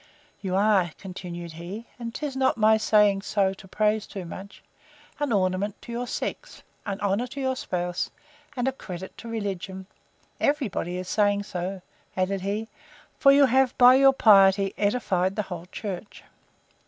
You are, continued he, and 'tis not my way to praise too much, an ornament to your sex, an honour to your spouse, and a credit to religion.—Every body is saying so, added he; for you have, by your piety, edified the whole church.